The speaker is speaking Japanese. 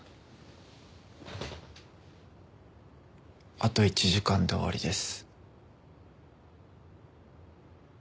あと１時間で終わりです。